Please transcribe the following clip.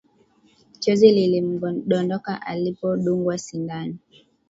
Chozi lilimdondoka alipodungwa sindano